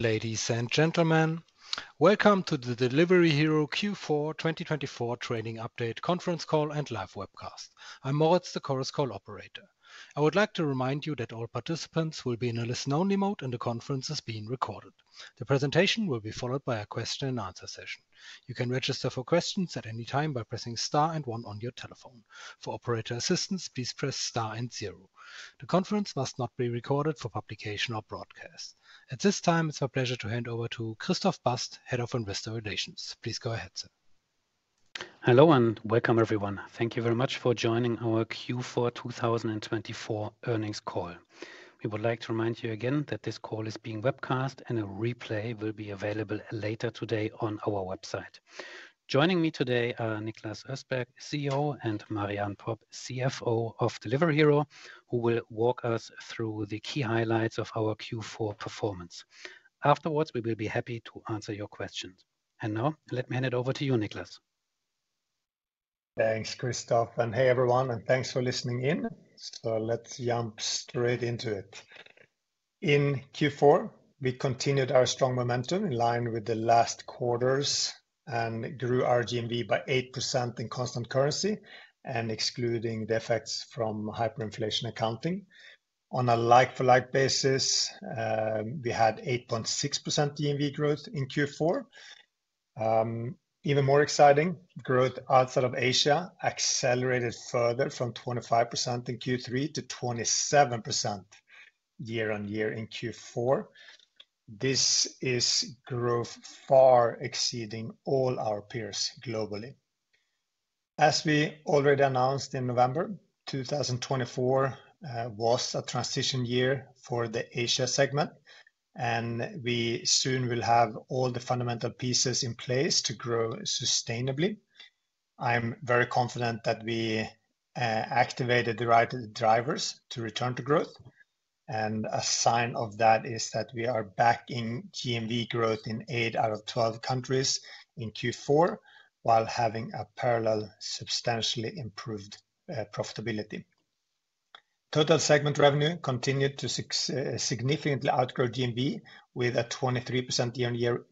Ladies and gentlemen, welcome to the Delivery Hero Q4 2024 Training Update Conference Call, and live webcast. I'm Moritz, the Chorus Call operator. I would like to remind you that all participants will be in a listen-only mode, and the conference is being recorded. The presentation will be followed by a question-and-answer session. You can register for questions at any time by pressing star and one on your telephone. For operator assistance, please press star and zero. The conference must not be recorded for publication or broadcast. At this time, it's my pleasure to hand over to Christoph Bast, Head of Investor Relations. Please go ahead, sir. Hello and welcome, everyone. Thank you very much for joining our Q4 2024 earnings call. We would like to remind you again that this call is being webcast, and a replay will be available later today on our website. Joining me today are Niklas Östberg, CEO, and Marie-Anne Popp, CFO of Delivery Hero, who will walk us through the key highlights of our Q4 performance. Afterwards, we will be happy to answer your questions. And now, let me hand it over to you, Niklas. Thanks, Christoph. And hey, everyone, and thanks for listening in. So let's jump straight into it. In Q4, we continued our strong momentum in line with the last quarters and grew our GMV by 8% in constant currency, excluding effects from hyperinflation accounting. On a like-for-like basis, we had 8.6% GMV growth in Q4. Even more exciting, growth outside of Asia accelerated further from 25% in Q3 to 27% year-on-year in Q4. This is growth far exceeding all our peers globally. As we already announced in November, 2024 was a transition year for the Asia segment, and we soon will have all the fundamental pieces in place to grow sustainably. I'm very confident that we activated the right drivers to return to growth. And a sign of that is that we are backing GMV growth in 8 out of 12 countries in Q4 while having a parallel substantially improved profitability. Total segment revenue continued to significantly outgrow GMV with a 23% year-on-year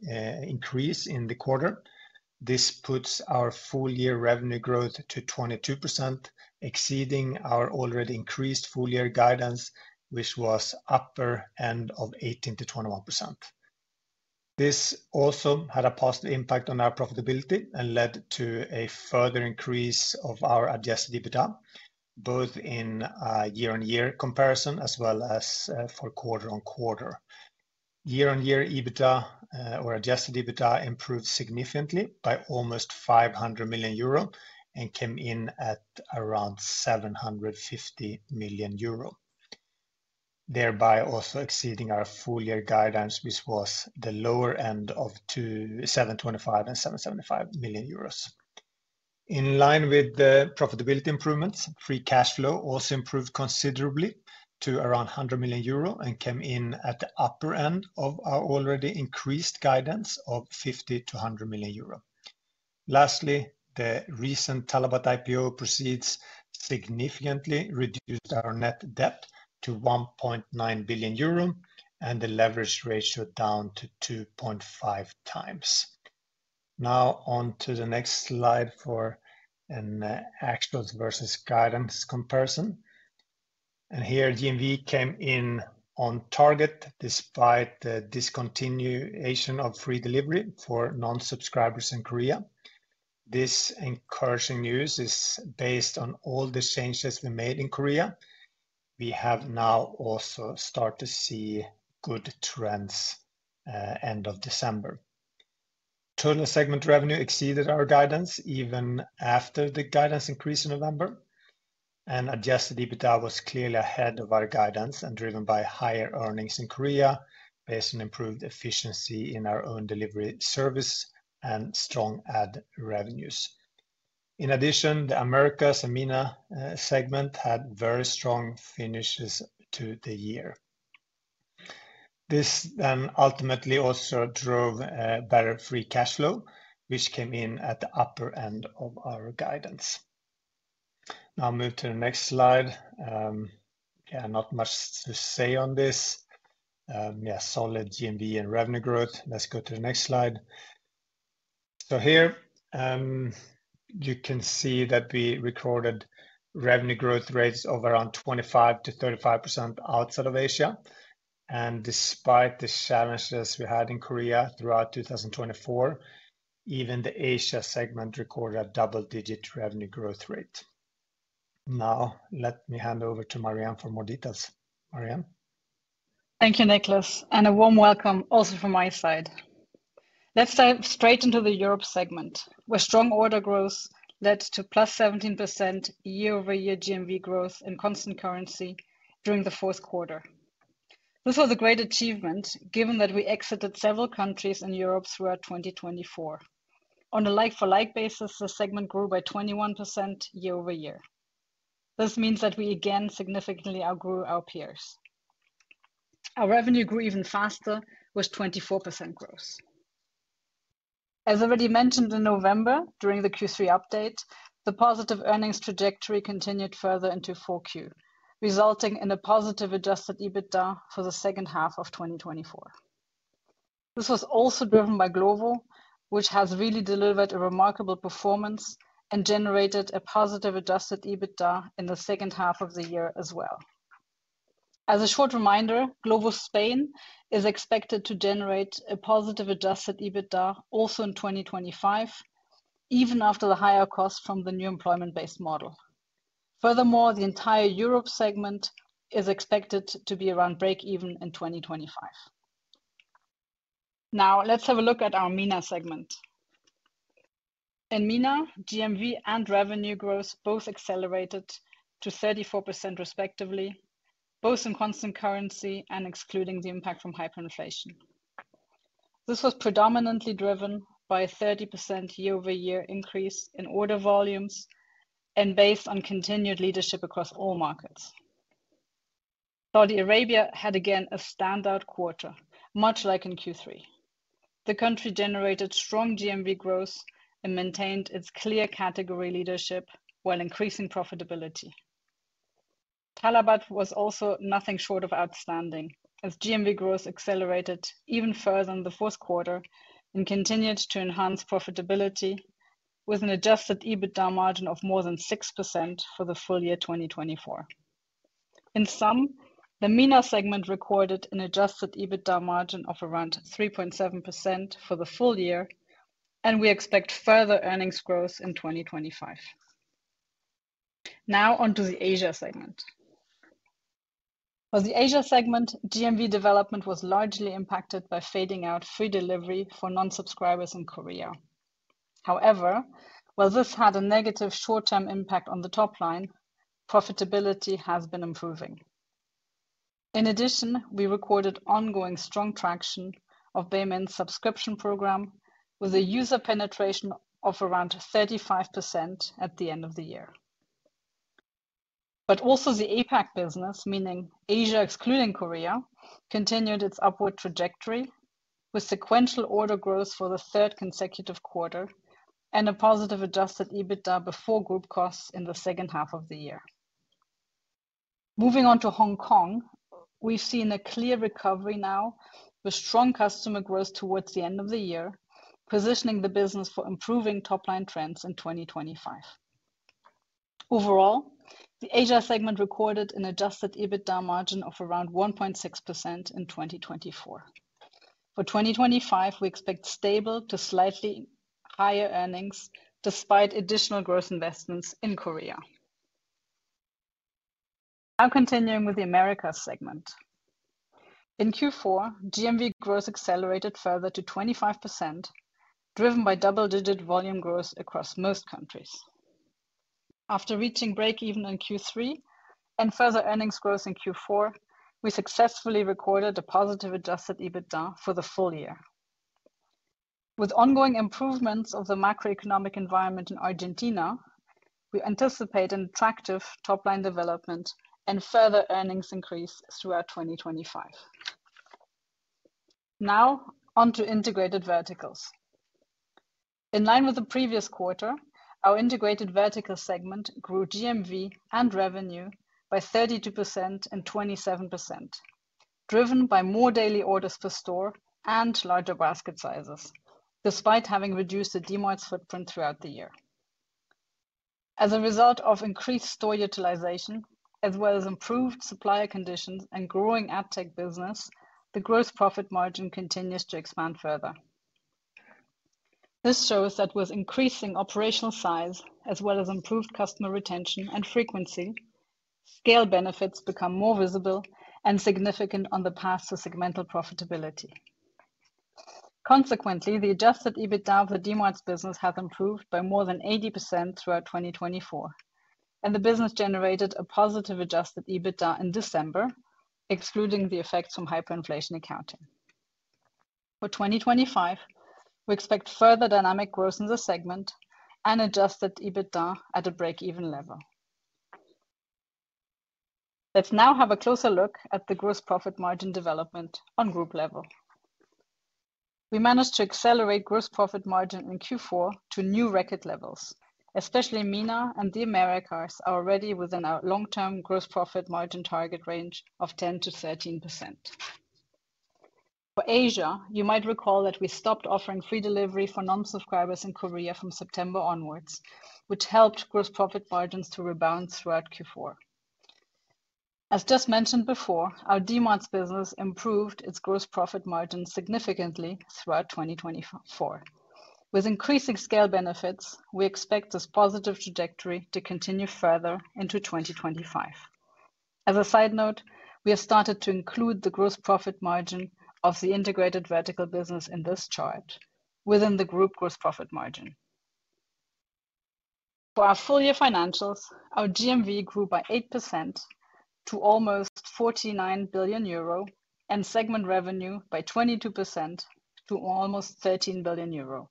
increase in the quarter. This puts our full-year revenue growth to 22%, exceeding our already increased full-year guidance, which was upper end of 18%-21%. This also had a positive impact on our profitability and led to a further increase of our adjusted EBITDA, both in year-on-year comparison as well as for quarter-on-quarter. Year-on-year EBITDA or adjusted EBITDA improved significantly by almost 500 million euro and came in at around 750 million euro, thereby also exceeding our full-year guidance, which was the lower end of 725 million-775 million euros. In line with the profitability improvements, free cash flow also improved considerably to around 100 million euro and came in at the upper end of our already increased guidance of 50 million-100 million euro. Lastly, the recent Talabat IPO proceeds significantly reduced our net debt to 1.9 billion euro and the leverage ratio down to 2.5 times. Now, on to the next slide for an actuals versus guidance comparison. Here, GMV came in on target despite the discontinuation of free delivery for non-subscribers in Korea. This encouraging news is based on all the changes we made in Korea. We have now also started to see good trends end of December. Total segment revenue exceeded our guidance even after the guidance increase in November. Adjusted EBITDA was clearly ahead of our guidance and driven by higher earnings in Korea based on improved efficiency in our own delivery service and strong ad revenues. In addition, the Americas and MENA segment had very strong finishes to the year. This then ultimately also drove better free cash flow, which came in at the upper end of our guidance. Now, move to the next slide. Yeah, not much to say on this. Yeah, solid GMV and revenue growth. Let's go to the next slide. So here, you can see that we recorded revenue growth rates of around 25%-35% outside of Asia, and despite the challenges we had in Korea throughout 2024, even the Asia segment recorded a double-digit revenue growth rate. Now, let me hand over to Marie-Anne for more details. Marie-Anne? Thank you, Niklas. And a warm welcome also from my side. Let's dive straight into the Europe segment, where strong order growth led to plus 17% Year-Over-Year GMV growth in constant currency during the fourth quarter. This was a great achievement given that we exited several countries in Europe throughout 2024. On a like-for-like basis, the segment grew by 21% Year-Over-Year. This means that we again significantly outgrew our peers. Our revenue grew even faster with 24% growth. As already mentioned in November, during the Q3 update, the positive earnings trajectory continued further into Q4, resulting in a positive Adjusted EBITDA for the second half of 2024. This was also driven by Glovo, which has really delivered a remarkable performance and generated a positive Adjusted EBITDA in the second half of the year as well. As a short reminder, Glovo Spain is expected to generate a positive Adjusted EBITDA also in 2025, even after the higher cost from the new employment-based model. Furthermore, the entire Europe segment is expected to be around break-even in 2025. Now, let's have a look at our MENA segment. In MENA, GMV and revenue growth both accelerated to 34% respectively, both in constant currency and excluding the impact from hyperinflation. This was predominantly driven by a 30% Year-Over-Year increase in order volumes and based on continued leadership across all markets. Saudi Arabia had again a standout quarter, much like in Q3. The country generated strong GMV growth and maintained its clear category leadership while increasing profitability. Talabat was also nothing short of outstanding, as GMV growth accelerated even further in the fourth quarter and continued to enhance profitability with an Adjusted EBITDA margin of more than 6% for the full year 2024. In sum, the MENA segment recorded an Adjusted EBITDA margin of around 3.7% for the full year, and we expect further earnings growth in 2025. Now, on to the Asia segment. For the Asia segment, GMV development was largely impacted by fading out free delivery for non-subscribers in Korea. However, while this had a negative short-term impact on the top line, profitability has been improving. In addition, we recorded ongoing strong traction of Baemin's subscription program with a user penetration of around 35% at the end of the year. But also, the APAC business, meaning Asia excluding Korea, continued its upward trajectory with sequential order growth for the third consecutive quarter and a positive Adjusted EBITDA before group costs in the second half of the year. Moving on to Hong Kong, we've seen a clear recovery now with strong customer growth towards the end of the year, positioning the business for improving top-line trends in 2025. Overall, the Asia segment recorded an Adjusted EBITDA margin of around 1.6% in 2024. For 2025, we expect stable to slightly higher earnings despite additional growth investments in Korea. Now, continuing with the Americas segment. In Q4, GMV growth accelerated further to 25%, driven by double-digit volume growth across most countries. After reaching break-even in Q3 and further earnings growth in Q4, we successfully recorded a positive Adjusted EBITDA for the full year. With ongoing improvements of the macroeconomic environment in Argentina, we anticipate an attractive top-line development and further earnings increase throughout 2025. Now, on to integrated verticals. In line with the previous quarter, our integrated vertical segment grew GMV and revenue by 32% and 27%, driven by more daily orders per store and larger basket sizes, despite having reduced the Dmarts footprint throughout the year. As a result of increased store utilization, as well as improved supplier conditions and growing ad tech business, the gross profit margin continues to expand further. This shows that with increasing operational size, as well as improved customer retention and frequency, scale benefits become more visible and significant on the path to segmental profitability. Consequently, the Adjusted EBITDA of the Dmart's business has improved by more than 80% throughout 2024, and the business generated a positive Adjusted EBITDA in December, excluding the effects from hyperinflation accounting. For 2025, we expect further dynamic growth in the segment and Adjusted EBITDA at a break-even level. Let's now have a closer look at the gross profit margin development on group level. We managed to accelerate gross profit margin in Q4 to new record levels, especially MENA and the Americas are already within our long-term gross profit margin target range of 10%-13%. For Asia, you might recall that we stopped offering free delivery for non-subscribers in Korea from September onwards, which helped gross profit margins to rebound throughout Q4. As just mentioned before, our Dmarts business improved its gross profit margin significantly throughout 2024. With increasing scale benefits, we expect this positive trajectory to continue further into 2025. As a side note, we have started to include the gross profit margin of the integrated verticals business in this chart within the group gross profit margin. For our full-year financials, our GMV grew by 8% to almost 49 billion euro and segment revenue by 22% to almost 13 billion euro.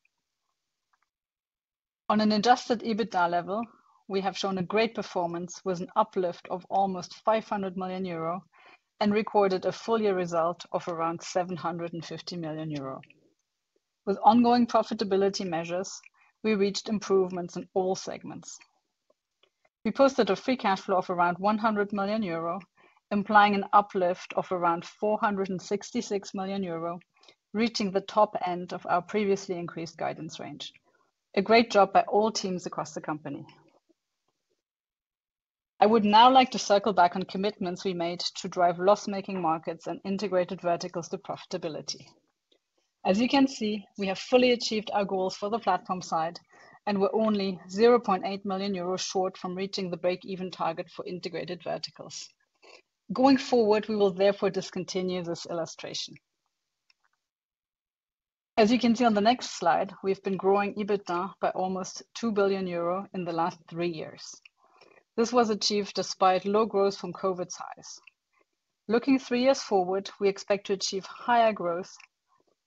On an adjusted EBITDA level, we have shown a great performance with an uplift of almost 500 million euro and recorded a full-year result of around 750 million euro. With ongoing profitability measures, we reached improvements in all segments. We posted a free cash flow of around 100 million euro, implying an uplift of around 466 million euro, reaching the top end of our previously increased guidance range. A great job by all teams across the company. I would now like to circle back on commitments we made to drive loss-making markets and integrated verticals to profitability. As you can see, we have fully achieved our goals for the platform side, and we're only 0.8 million euros short from reaching the break-even target for integrated verticals. Going forward, we will therefore discontinue this illustration. As you can see on the next slide, we have been growing EBITDA by almost 2 billion euro in the last three years. This was achieved despite low growth post-COVID. Looking three years forward, we expect to achieve higher growth,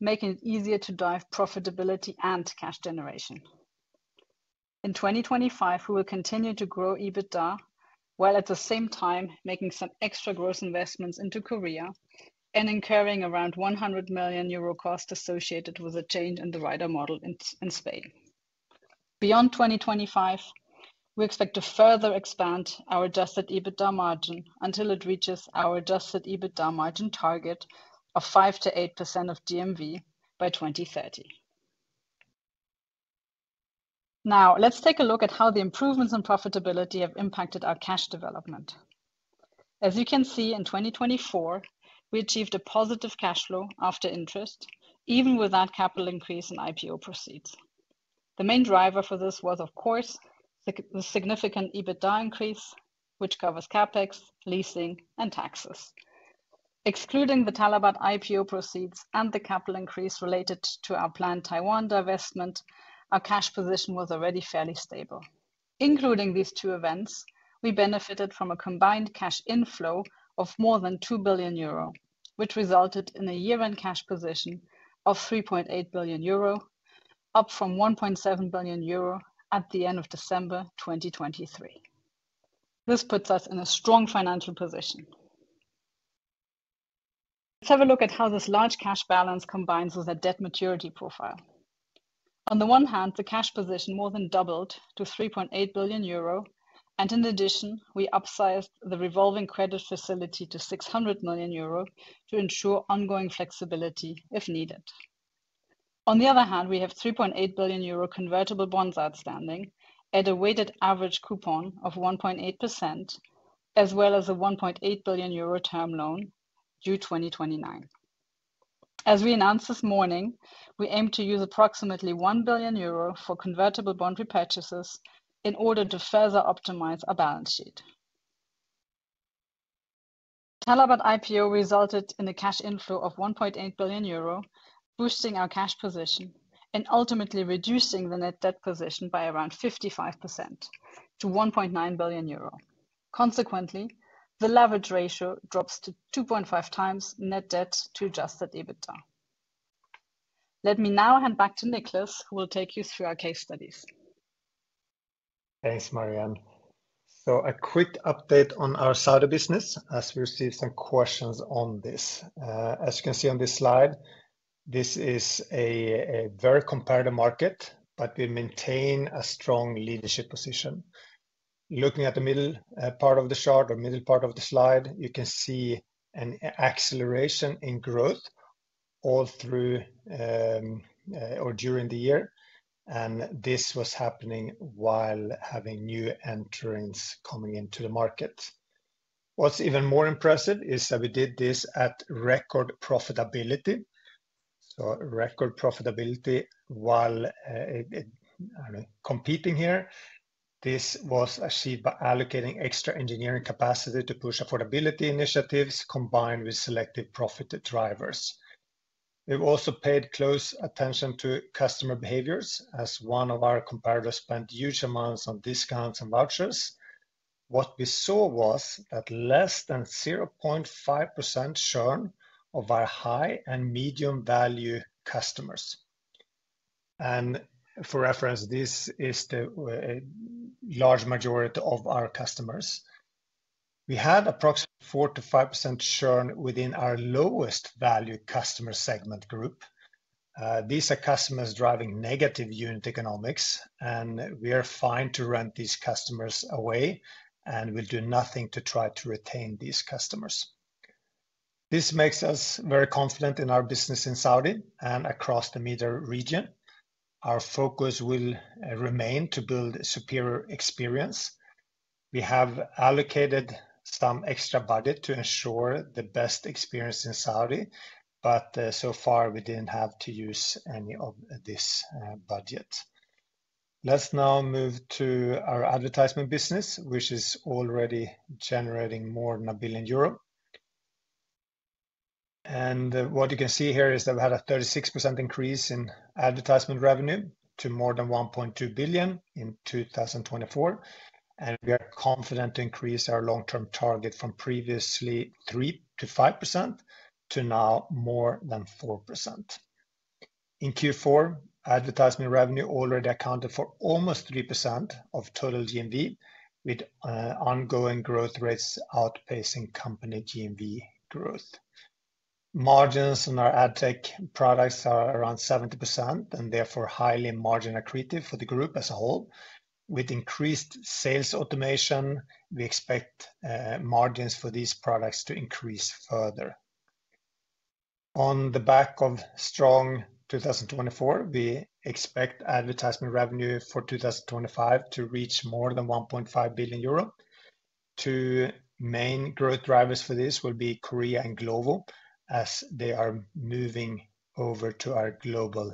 making it easier to drive profitability and cash generation. In 2025, we will continue to grow EBITDA while at the same time making some extra growth investments into Korea and incurring around 100 million euro cost associated with a change in the rider model in Spain. Beyond 2025, we expect to further expand our adjusted EBITDA margin until it reaches our adjusted EBITDA margin target of 5%-8% of GMV by 2030. Now, let's take a look at how the improvements in profitability have impacted our cash development. As you can see, in 2024, we achieved a positive cash flow after interest, even without capital increase in IPO proceeds. The main driver for this was, of course, the significant EBITDA increase, which covers CapEx, leasing, and taxes. Excluding the Talabat IPO proceeds and the capital increase related to our planned Taiwan divestment, our cash position was already fairly stable. Including these two events, we benefited from a combined cash inflow of more than 2 billion euro, which resulted in a year-end cash position of 3.8 billion euro, up from 1.7 billion euro at the end of December 2023. This puts us in a strong financial position. Let's have a look at how this large cash balance combines with our debt maturity profile. On the one hand, the cash position more than doubled to 3.8 billion euro, and in addition, we upsized the Revolving Credit Facility to 600 million euro to ensure ongoing flexibility if needed. On the other hand, we have 3.8 billion euro Convertible Bonds outstanding at a weighted average coupon of 1.8%, as well as a 1.8 billion euro Term Loan due 2029. As we announced this morning, we aim to use approximately 1 billion euro for Convertible Bond repurchases in order to further optimize our balance sheet. Talabat IPO resulted in a cash inflow of 1.8 billion euro, boosting our cash position and ultimately reducing the Net Debt position by around 55% to 1.9 billion euro. Consequently, the Leverage Ratio drops to 2.5 times Net Debt to Adjusted EBITDA. Let me now hand back to Niklas, who will take you through our case studies. Thanks, Marie-Anne. So a quick update on our Saudi business as we receive some questions on this. As you can see on this slide, this is a very competitive market, but we maintain a strong leadership position. Looking at the middle part of the chart or middle part of the slide, you can see an acceleration in growth all through or during the year, and this was happening while having new entrants coming into the market. What's even more impressive is that we did this at record profitability. So record profitability while competing here, this was achieved by allocating extra engineering capacity to push affordability initiatives combined with selective profit drivers. We've also paid close attention to customer behaviors as one of our competitors spent huge amounts on discounts and vouchers. What we saw was that less than 0.5% of our high and medium value customers. For reference, this is the large majority of our customers. We had approximately 4%-5% shown within our lowest value customer segment group. These are customers driving negative unit economics, and we are fine to let these customers away and will do nothing to try to retain these customers. This makes us very confident in our business in Saudi and across the MENA region. Our focus will remain to build superior experience. We have allocated some extra budget to ensure the best experience in Saudi, but so far we didn't have to use any of this budget. Let's now move to our advertisement business, which is already generating more than 1 billion euro. What you can see here is that we had a 36% increase in advertisement revenue to more than 1.2 billion in 2024, and we are confident to increase our long-term target from previously 3%-5% to now more than 4%. In Q4, advertisement revenue already accounted for almost 3% of total GMV, with ongoing growth rates outpacing company GMV growth. Margins on our ad tech products are around 70% and therefore highly margin accretive for the group as a whole. With increased sales automation, we expect margins for these products to increase further. On the back of strong 2024, we expect advertisement revenue for 2025 to reach more than 1.5 billion euro. Two main growth drivers for this will be Korea and Glovo, as they are moving over to our global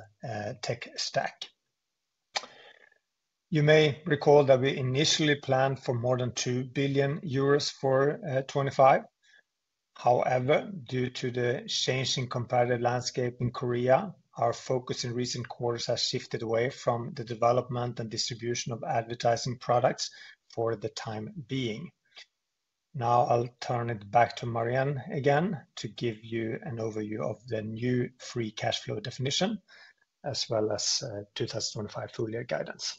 tech stack. You may recall that we initially planned for more than 2 billion euros for 2025. However, due to the changing competitive landscape in Korea, our focus in recent quarters has shifted away from the development and distribution of advertising products for the time being. Now I'll turn it back to Marie-Anne again to give you an overview of the new free cash flow definition, as well as 2025 full-year guidance.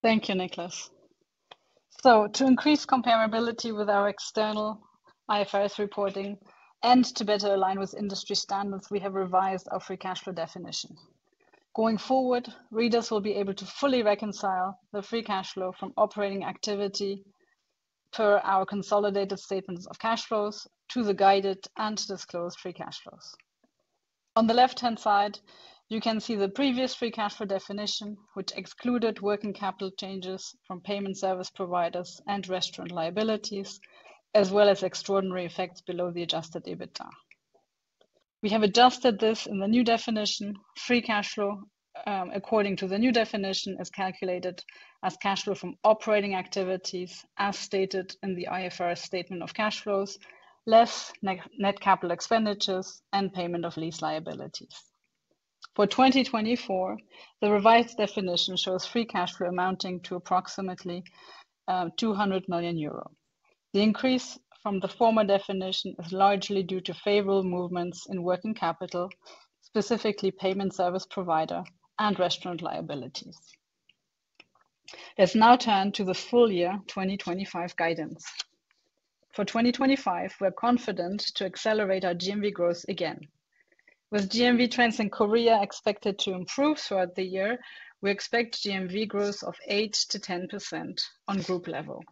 Thank you, Niklas. So to increase comparability with our external IFRS reporting and to better align with industry standards, we have revised our free cash flow definition. Going forward, readers will be able to fully reconcile the free cash flow from operating activity per our consolidated statements of cash flows to the guided and disclosed free cash flows. On the left-hand side, you can see the previous free cash flow definition, which excluded working capital changes from payment service providers and restaurant liabilities, as well as extraordinary effects below the adjusted EBITDA. We have adjusted this in the new definition. Free cash flow, according to the new definition, is calculated as cash flow from operating activities, as stated in the IFRS statement of cash flows, less net capital expenditures and payment of lease liabilities. For 2024, the revised definition shows free cash flow amounting to approximately 200 million euro. The increase from the former definition is largely due to favorable movements in working capital, specifically payment service provider and restaurant liabilities. Let's now turn to the full-year 2025 guidance. For 2025, we're confident to accelerate our GMV growth again. With GMV trends in Korea expected to improve throughout the year, we expect GMV growth of 8%-10% on group level.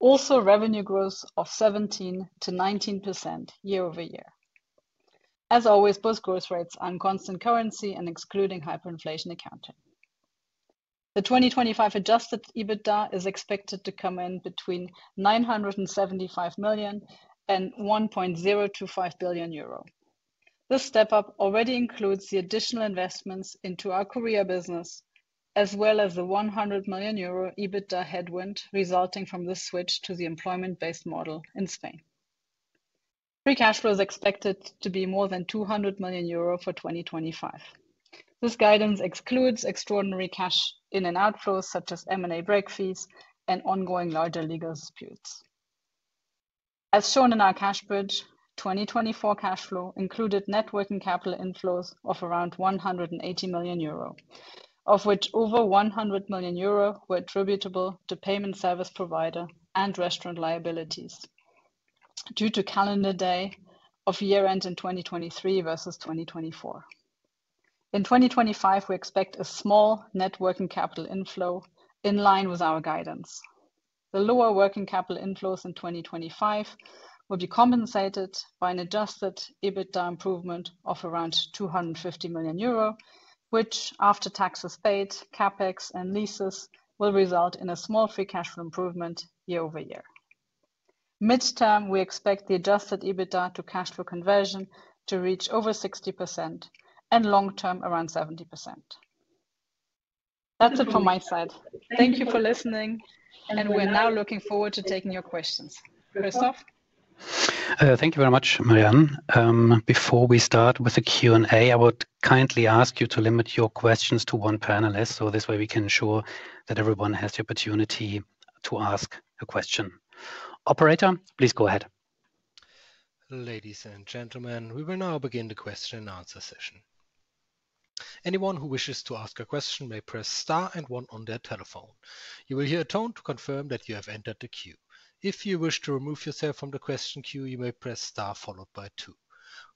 Also, revenue growth of 17%-19% year over year. As always, both growth rates are in constant currency and excluding hyperinflation accounting. The 2025 adjusted EBITDA is expected to come in between 975 million and 1.025 billion euro. This step-up already includes the additional investments into our Korea business, as well as the 100 million euro EBITDA headwind resulting from the switch to the employment-based model in Spain. Free cash flow is expected to be more than 200 million euro for 2025. This guidance excludes extraordinary cash inflows and outflows such as M&A break fees and ongoing larger legal disputes. As shown in our cash bridge, 2024 cash flow included net working capital inflows of around 180 million euro, of which over 100 million euro were attributable to payment service provider and restaurant liabilities due to calendar day of year-end in 2023 versus 2024. In 2025, we expect a small net working capital inflow in line with our guidance. The lower working capital inflows in 2025 will be compensated by an adjusted EBITDA improvement of around 250 million euro, which, after taxes paid, CapEx and leases, will result in a small free cash flow improvement year over year. Midterm, we expect the adjusted EBITDA to cash flow conversion to reach over 60% and long-term around 70%. That's it from my side. Thank you for listening, and we're now looking forward to taking your questions. Christoph? Thank you very much, Marie-Anne. Before we start with the Q&A, I would kindly ask you to limit your questions to one panelist, so this way we can ensure that everyone has the opportunity to ask a question. Operator, please go ahead. Ladies and gentlemen, we will now begin the question and answer session. Anyone who wishes to ask a question may press star and one on their telephone. You will hear a tone to confirm that you have entered the queue. If you wish to remove yourself from the question queue, you may press star followed by two.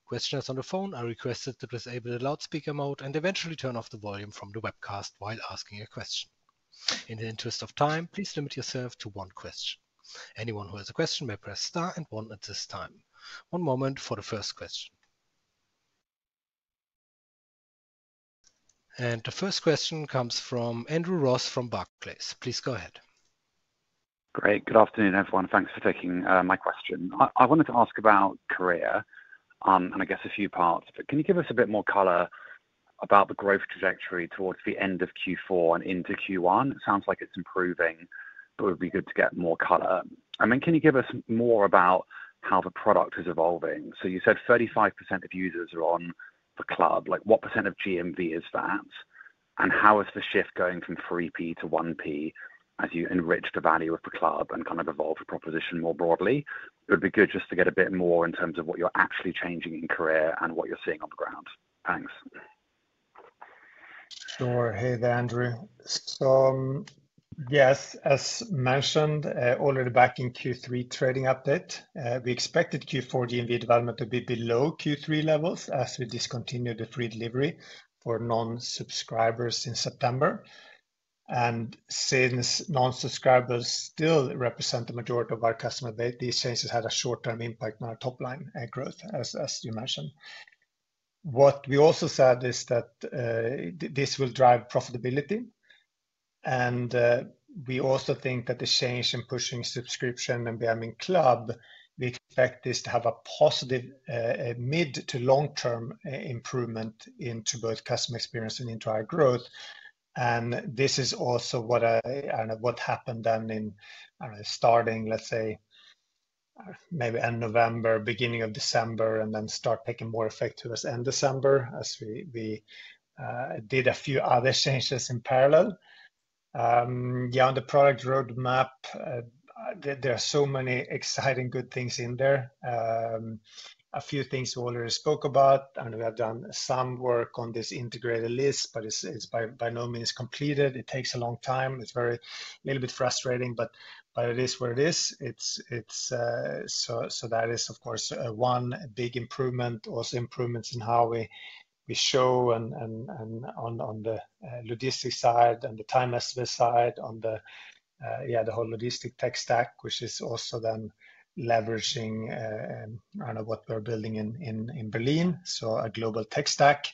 Questioners on the phone are requested to disable the loudspeaker mode and eventually turn off the volume from the webcast while asking a question. In the interest of time, please limit yourself to one question. Anyone who has a question may press star and one at this time. One moment for the first question, and the first question comes from Andrew Ross from Barclays. Please go ahead. Great. Good afternoon, everyone. Thanks for taking my question. I wanted to ask about Korea and I guess a few parts, but can you give us a bit more color about the growth trajectory towards the end of Q4 and into Q1? It sounds like it's improving, but it would be good to get more color. I mean, can you give us more about how the product is evolving? So you said 35% of users are on the club. What % of GMV is that? And how is the shift going from 3P to 1P as you enrich the value of the club and kind of evolve the proposition more broadly? It would be good just to get a bit more in terms of what you're actually changing in Korea and what you're seeing on the ground. Thanks. Sure. Hey there, Andrew. So yes, as mentioned already back in Q3 trading update, we expected Q4 GMV development to be below Q3 levels as we discontinued the free delivery for non-subscribers in September. And since non-subscribers still represent the majority of our customer base, these changes had a short-term impact on our top-line growth, as you mentioned. What we also said is that this will drive profitability. And we also think that the change in pushing subscription and Baemin Club, we expect this to have a positive mid to long-term improvement into both customer experience and into our growth. And this is also what happened then in starting, let's say, maybe end November, beginning of December, and then start taking more effect to us end December, as we did a few other changes in parallel. Yeah, on the product roadmap, there are so many exciting good things in there. A few things we already spoke about. I mean, we have done some work on this integrated verticals, but it's by no means completed. It takes a long time. It's a little bit frustrating, but it is where it is. So that is, of course, one big improvement, also improvements in how we show on the logistics side and the time estimate side, on the, yeah, the whole logistics tech stack, which is also then leveraging what we're building in Berlin, so a global tech stack.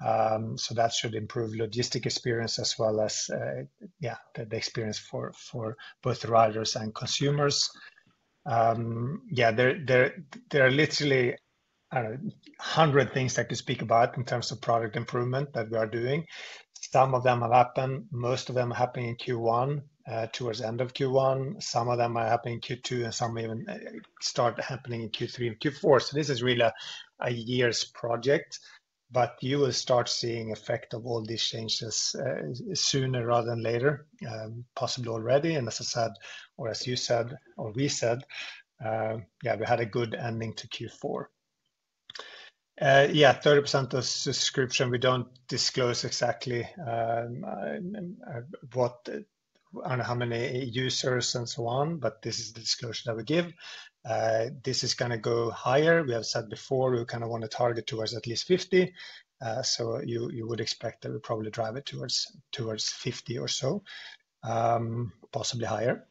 So that should improve logistics experience as well as, yeah, the experience for both riders and consumers. Yeah, there are literally hundreds of things that could speak about in terms of product improvement that we are doing. Some of them have happened. Most of them are happening in Q1, towards the end of Q1. Some of them are happening in Q2, and some even start happening in Q3 and Q4. So this is really a year's project, but you will start seeing the effect of all these changes sooner rather than later, possibly already. And as I said, or as you said, or we said, yeah, we had a good ending to Q4. Yeah, 30% of subscription, we don't disclose exactly how many users and so on, but this is the disclosure that we give. This is going to go higher. We have said before we kind of want to target towards at least 50. So you would expect that we probably drive it towards 50 or so, possibly higher.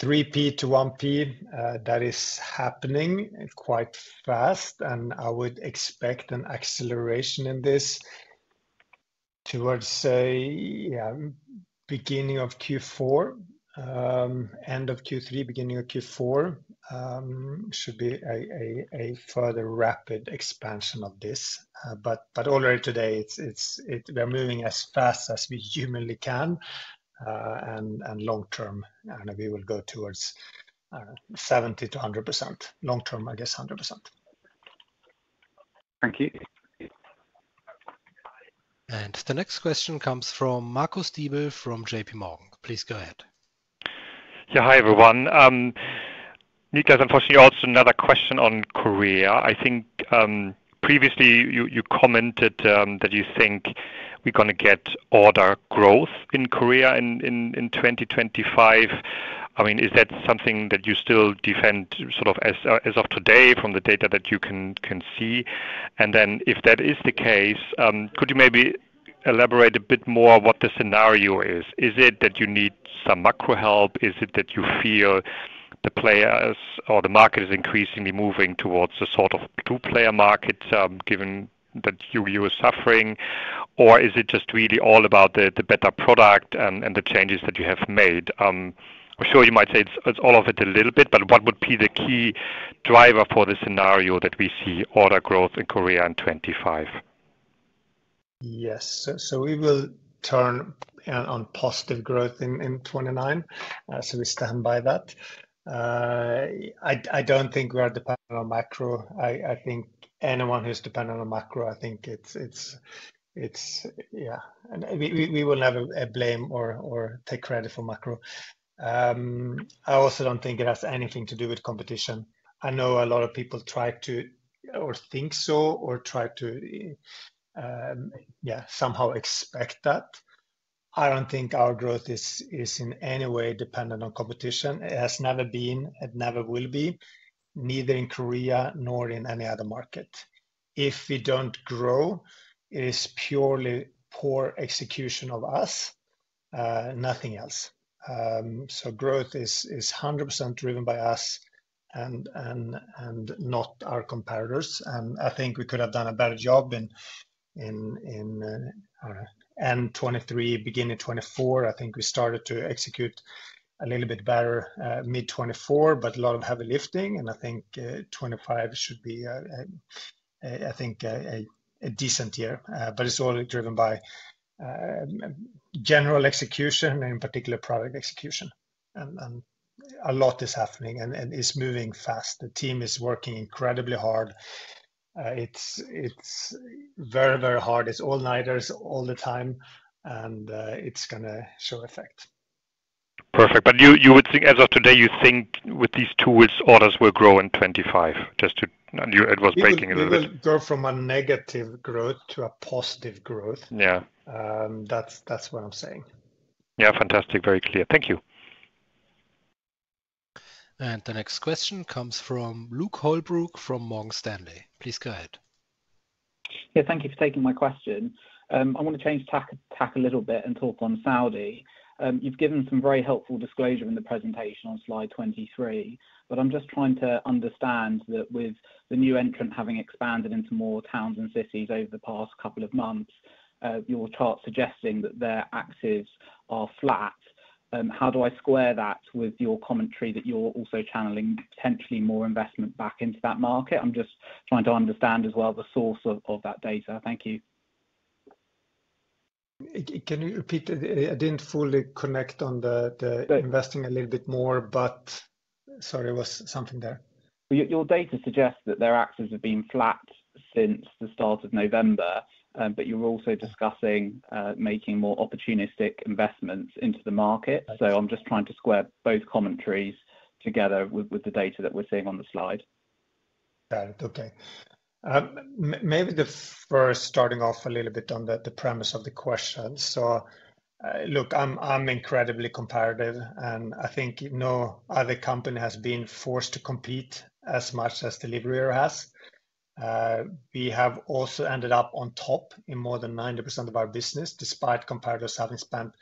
3P to 1P, that is happening quite fast, and I would expect an acceleration in this towards, say, beginning of Q4, end of Q3, beginning of Q4 should be a further rapid expansion of this. But already today, we're moving as fast as we humanly can. And long-term, we will go towards 70%-100%. Long-term, I guess, 100%. Thank you. And the next question comes from Marcus Diebel from JPMorgan. Please go ahead. Yeah, hi everyone. Niklas, unfortunately, also another question on Korea. I think previously you commented that you think we're going to get order growth in Korea in 2025. I mean, is that something that you still defend sort of as of today from the data that you can see? And then if that is the case, could you maybe elaborate a bit more what the scenario is? Is it that you need some macro help? Is it that you feel the players or the market is increasingly moving towards a sort of two-player market given that you are suffering? Or is it just really all about the better product and the changes that you have made? I'm sure you might say it's all of it a little bit, but what would be the key driver for the scenario that we see order growth in Korea in 2025? Yes. So we will turn on positive growth in 2029. So we stand by that. I don't think we are dependent on macro. I think anyone who's dependent on macro, I think it's, yeah, and we will never blame or take credit for macro. I also don't think it has anything to do with competition. I know a lot of people try to or think so or try to, yeah, somehow expect that. I don't think our growth is in any way dependent on competition. It has never been and never will be, neither in Korea nor in any other market. If we don't grow, it is purely poor execution of us, nothing else. So growth is 100% driven by us and not our competitors. And I think we could have done a better job in end 2023, beginning 2024. I think we started to execute a little bit better mid-2024, but a lot of heavy lifting, and I think 2025 should be, I think, a decent year, but it's all driven by general execution and in particular product execution, and a lot is happening and is moving fast. The team is working incredibly hard. It's very, very hard. It's all-nighters all the time, and it's going to show effect. Perfect. But you would think as of today, you think with these tools, orders will grow in 2025? We will go from a negative growth to a positive growth. That's what I'm saying. Yeah, fantastic. Very clear. Thank you. And the next question comes from Luke Holbrook from Morgan Stanley. Please go ahead. Yeah, thank you for taking my question. I want to change tack a little bit and talk on Saudi. You've given some very helpful disclosure in the presentation on slide 23, but I'm just trying to understand that with the new entrant having expanded into more towns and cities over the past couple of months, your chart's suggesting that their axes are flat. How do I square that with your commentary that you're also channeling potentially more investment back into that market? I'm just trying to understand as well the source of that data. Thank you. Can you repeat? I didn't fully connect on the investing a little bit more, but sorry, there was something there. Your data suggests that their access has been flat since the start of November, but you're also discussing making more opportunistic investments into the market, so I'm just trying to square both commentaries together with the data that we're seeing on the slide. Got it. Okay. Maybe the first, starting off a little bit on the premise of the question. So look, I'm incredibly competitive, and I think no other company has been forced to compete as much as Delivery Hero has. We have also ended up on top in more than 90% of our business, despite competitors having spent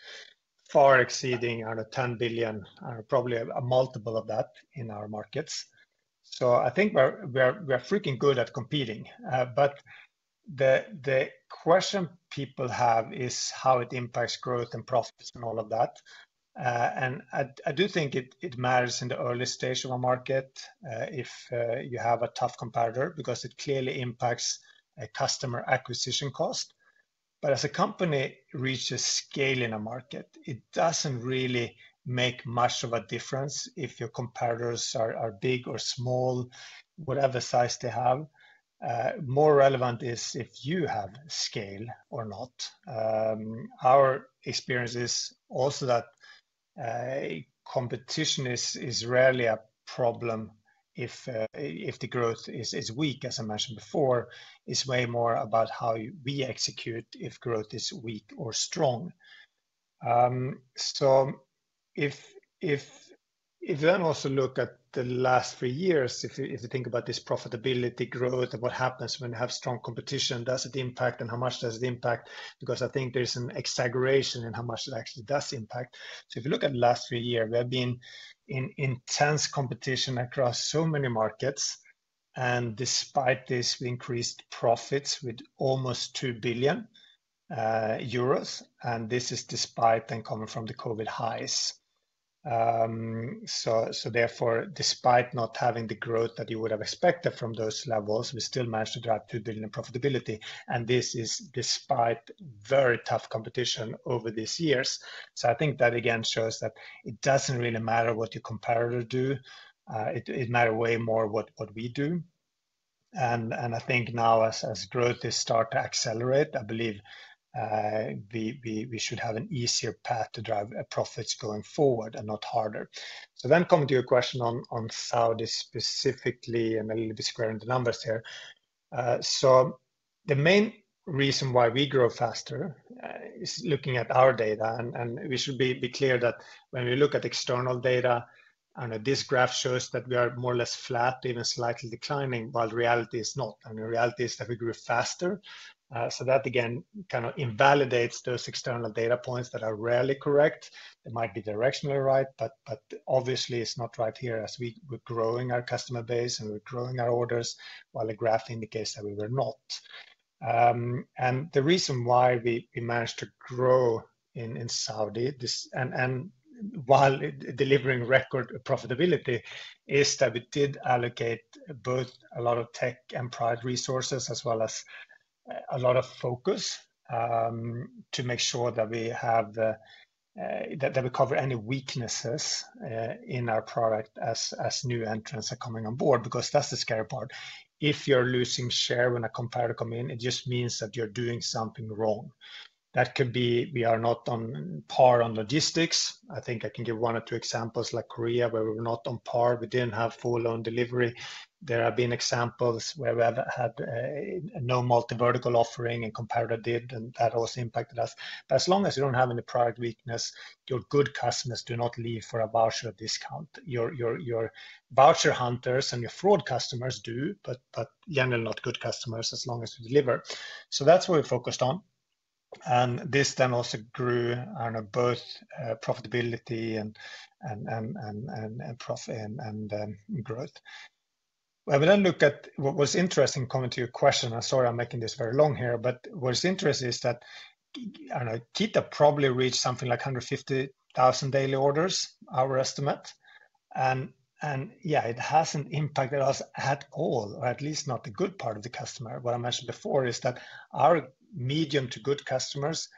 far exceeding 10 billion, probably a multiple of that in our markets. So I think we are freaking good at competing. But the question people have is how it impacts growth and profits and all of that. And I do think it matters in the early stage of a market if you have a tough competitor because it clearly impacts customer acquisition cost. But as a company reaches scale in a market, it doesn't really make much of a difference if your competitors are big or small, whatever size they have. More relevant is if you have scale or not. Our experience is also that competition is rarely a problem if the growth is weak, as I mentioned before. It's way more about how we execute if growth is weak or strong. So if you then also look at the last three years, if you think about this profitability growth and what happens when you have strong competition, does it impact and how much does it impact? Because I think there's an exaggeration in how much it actually does impact. So if you look at the last three years, there have been intense competition across so many markets. And despite this, we increased profits with almost 2 billion euros. And this is despite then coming from the COVID highs. So therefore, despite not having the growth that you would have expected from those levels, we still managed to drive 2 billion in profitability. And this is despite very tough competition over these years. So I think that again shows that it doesn't really matter what your competitors do. It matters way more what we do. And I think now as growth starts to accelerate, I believe we should have an easier path to drive profits going forward and not harder. So then coming to your question on Saudi specifically and a little bit squaring the numbers here. So the main reason why we grow faster is looking at our data. And we should be clear that when we look at external data, this graph shows that we are more or less flat, even slightly declining, while reality is not. And the reality is that we grew faster. So that again kind of invalidates those external data points that are rarely correct. It might be directionally right, but obviously it's not right here as we're growing our customer base and we're growing our orders while the graph indicates that we were not. And the reason why we managed to grow in Saudi, while delivering record profitability, is that we did allocate both a lot of tech and product resources as well as a lot of focus to make sure that we cover any weaknesses in our product as new entrants are coming on board. Because that's the scary part. If you're losing share when a competitor comes in, it just means that you're doing something wrong. That could be we are not on par on logistics. I think I can give one or two examples like Korea where we were not on par. We didn't have full-on delivery. There have been examples where we have had no multi-vertical offering and competitor did, and that also impacted us, but as long as you don't have any product weakness, your good customers do not leave for a voucher discount. Your voucher hunters and your fraud customers do, but generally not good customers as long as you deliver, so that's what we focused on, and this then also grew both profitability and growth. When we then look at what was interesting coming to your question, and sorry, I'm making this very long here, but what's interesting is that KeeTa probably reached something like 150,000 daily orders, our estimate, and yeah, it hasn't impacted us at all, or at least not the good part of the customer. What I mentioned before is that our medium to good customers,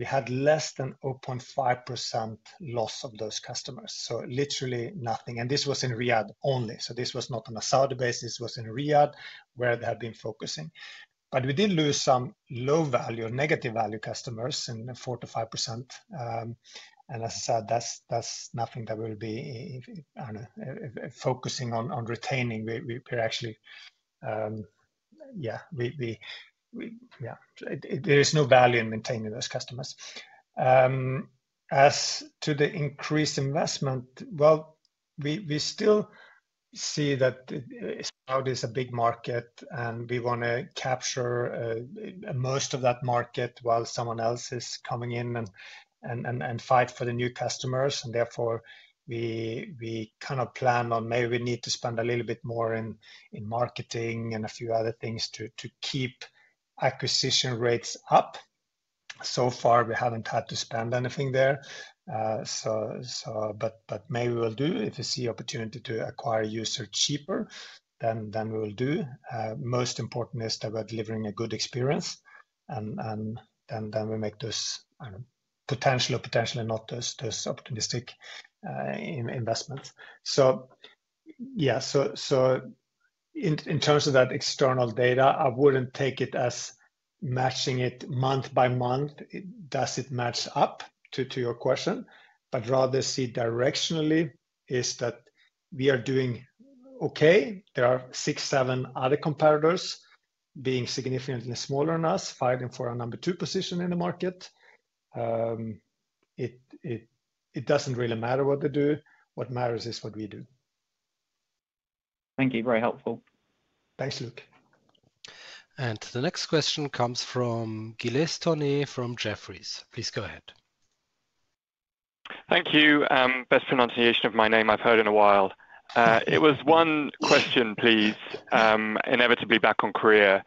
we had less than 0.5% loss of those customers, so literally nothing. This was in Riyadh only. This was not on a Saudi basis. This was in Riyadh where they had been focusing. We did lose some low-value or negative-value customers in 4%-5%. As I said, that's nothing that we'll be focusing on retaining. We're actually, yeah, there is no value in maintaining those customers. As to the increased investment, we still see that Saudi is a big market, and we want to capture most of that market while someone else is coming in and fight for the new customers. Therefore, we kind of plan on maybe we need to spend a little bit more in marketing and a few other things to keep acquisition rates up. So far, we haven't had to spend anything there. Maybe we'll do if we see opportunity to acquire user cheaper, then we will do. Most important is that we're delivering a good experience, and then we make those potentially, potentially not those opportunistic investments. So yeah, so in terms of that external data, I wouldn't take it as matching it month by month. Does it match up to your question? But rather see directionally is that we are doing okay. There are six, seven other competitors being significantly smaller than us, fighting for our number two position in the market. It doesn't really matter what they do. What matters is what we do. Thank you. Very helpful. Thanks, Luke. And the next question comes from Giles Thorne from Jefferies. Please go ahead. Thank you. Best pronunciation of my name I've heard in a while. It was one question, please, inevitably back on Korea.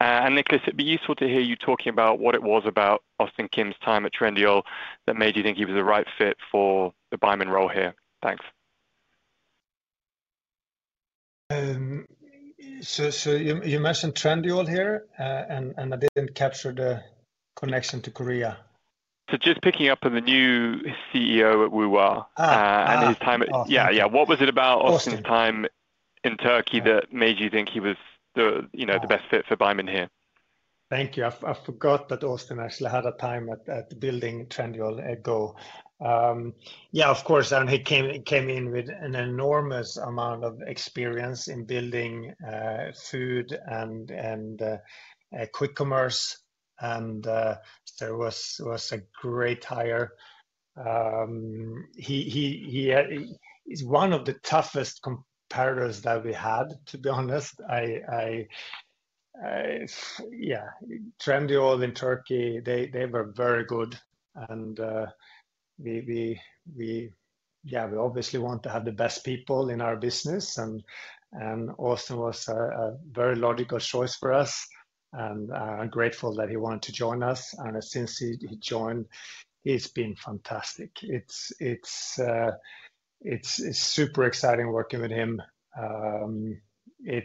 And Niklas, it'd be useful to hear you talking about what it was about Austin Kim's time at Trendyol that made you think he was the right fit for the Baemin role here. Thanks. So you mentioned Trendyol here, and I didn't capture the connection to Korea. So just picking up on the new CEO at Woowa and his time. Oh, sorry. Yeah, yeah. What was it about Austin's time in Turkey that made you think he was the best fit for Baemin here? Thank you. I forgot that Austin actually had a time at building Trendyol Go. Yeah, of course, and he came in with an enormous amount of experience in building food and quick commerce. And so it was a great hire. He's one of the toughest competitors that we had, to be honest. Yeah, Trendyol in Turkey, they were very good. And yeah, we obviously want to have the best people in our business. And Austin was a very logical choice for us. And I'm grateful that he wanted to join us. And since he joined, he's been fantastic. It's super exciting working with him.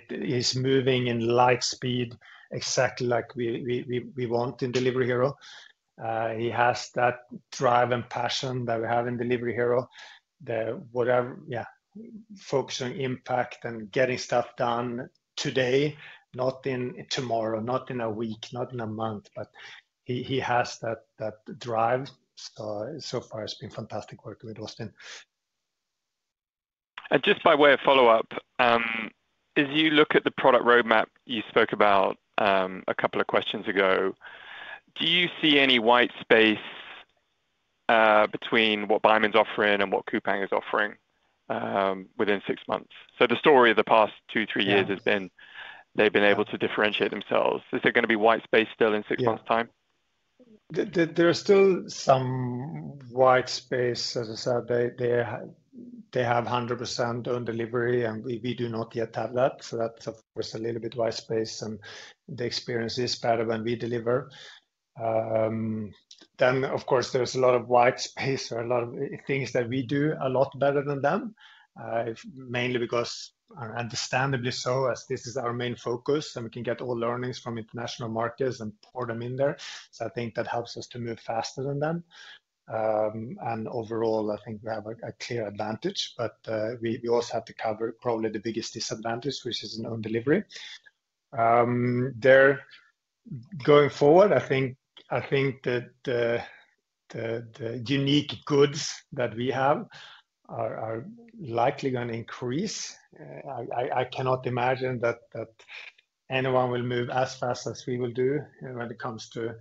He's moving in light speed, exactly like we want in Delivery Hero. He has that drive and passion that we have in Delivery Hero. Yeah, focus on impact and getting stuff done today, not tomorrow, not in a week, not in a month. But he has that drive. So far, it's been fantastic working with Austin. And just by way of follow-up, as you look at the product roadmap you spoke about a couple of questions ago, do you see any white space between what Baemin's offering and what Coupang is offering within six months? So the story of the past two, three years has been they've been able to differentiate themselves. Is there going to be white space still in six months' time? There's still some white space. As I said, they have 100% on delivery, and we do not yet have that, so that's, of course, a little bit white space, and the experience is better when we deliver, then, of course, there's a lot of white space or a lot of things that we do a lot better than them, mainly because, understandably so, as this is our main focus, and we can get all learnings from international markets and pour them in there, so I think that helps us to move faster than them, and overall, I think we have a clear advantage, but we also have to cover probably the biggest disadvantage, which is on delivery. Going forward, I think that the unique goods that we have are likely going to increase. I cannot imagine that anyone will move as fast as we will do when it comes to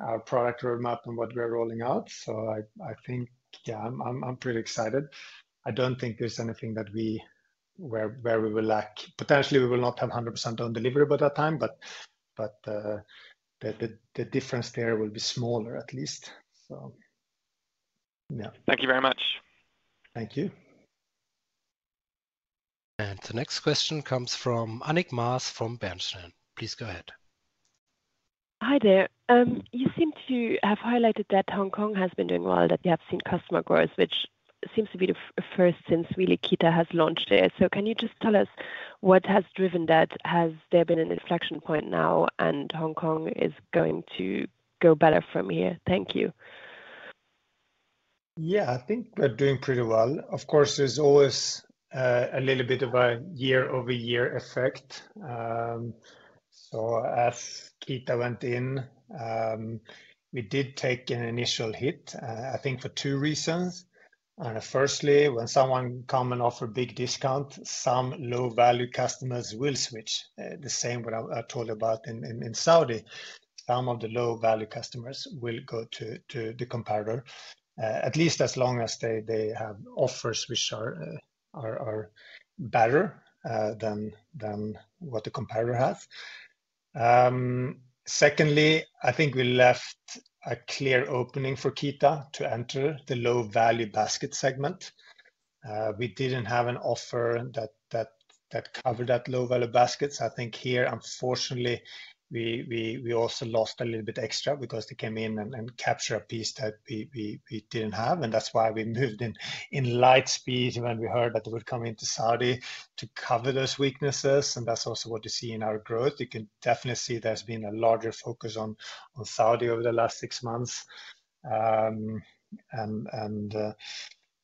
our product roadmap and what we're rolling out. So I think, yeah, I'm pretty excited. I don't think there's anything that we will lack. Potentially, we will not have 100% on delivery by that time, but the difference there will be smaller, at least. So yeah. Thank you very much. Thank you. And the next question comes from Annick Maas from Bernstein. Please go ahead. Hi there. You seem to have highlighted that Hong Kong has been doing well, that you have seen customer growth, which seems to be the first since really Keeta has launched it. So can you just tell us what has driven that? Has there been an inflection point now, and Hong Kong is going to go better from here? Thank you. Yeah, I think we're doing pretty well. Of course, there's always a little bit of a Year-Over-Year effect. So as Keeta went in, we did take an initial hit, I think, for two reasons. Firstly, when someone comes and offers a big discount, some low-value customers will switch. The same what I told you about in Saudi. Some of the low-value customers will go to the competitor, at least as long as they have offers which are better than what the competitor has. Secondly, I think we left a clear opening for Keeta to enter the low-value basket segment. We didn't have an offer that covered that low-value basket. So I think here, unfortunately, we also lost a little bit extra because they came in and captured a piece that we didn't have. And that's why we moved in light speed when we heard that they were coming into Saudi to cover those weaknesses. And that's also what you see in our growth. You can definitely see there's been a larger focus on Saudi over the last six months. And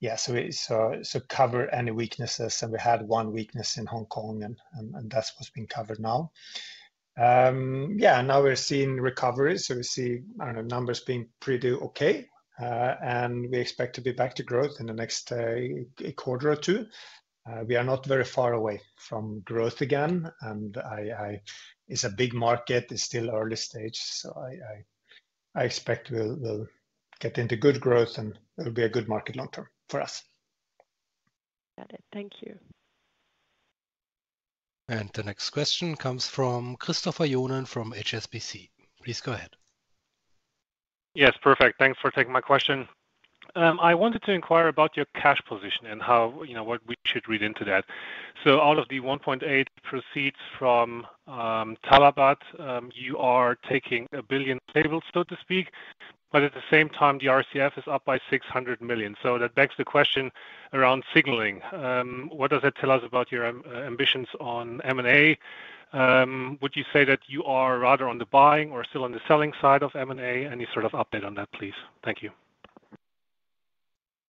yeah, so cover any weaknesses. And we had one weakness in Hong Kong, and that's what's being covered now. Yeah, now we're seeing recovery. So we see numbers being pretty okay. And we expect to be back to growth in the next quarter or two. We are not very far away from growth again. And it's a big market. It's still early stage. So I expect we'll get into good growth, and it'll be a good market long term for us. Got it. Thank you. And the next question comes from Christopher Johnen from HSBC. Please go ahead. Yes, perfect. Thanks for taking my question. I wanted to inquire about your cash position and what we should read into that. So out of the 1.8 billion proceeds from Talabat, you are taking a billion to the table, so to speak. But at the same time, the RCF is up by 600 million. So that begs the question around signaling. What does that tell us about your ambitions on M&A? Would you say that you are rather on the buying or still on the selling side of M&A? Any sort of update on that, please? Thank you.